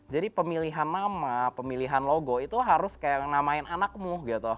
jadi pemilihan nama pemilihan logo itu harus kayak namain anakmu